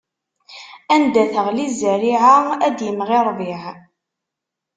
Anda teɣli zzerriɛa, ad d-imɣi ṛṛbiɛ.